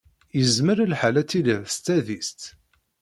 Yezmer lḥal ad tiliḍ s tadist?